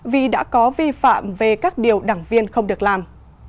vì đã có vi phạm về các điều đảng viên không được làm